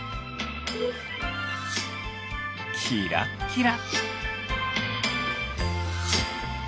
キラッキラ。